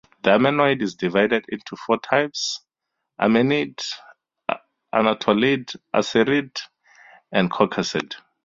The Armenoid is divided into four types: Armenid, Anatolid, Assyrid, and Caucasid.